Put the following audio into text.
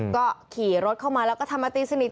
ก็ขี่รถเข้ามาแล้วก็ทำมาตีสนิท